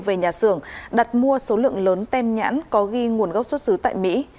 về nhà xưởng đặt mua số lượng lớn tem nhãn có ghi nguồn gốc xuất xứ tại mỹ